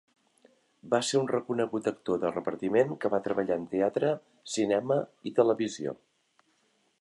Va ser un reconegut actor de repartiment que va treballar en teatre, cinema i televisió.